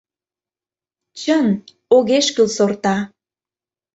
Чын, огеш кӱл сорта.